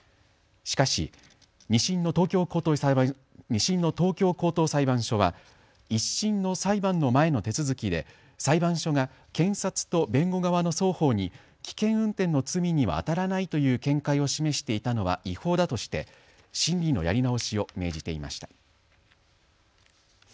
しかし、２審の東京高等裁判所は１審の裁判の前の手続きで裁判所が検察と弁護側の双方に危険運転の罪にはあたらないという見解を示していたのは違法だとして審理のやり直しを命じていました。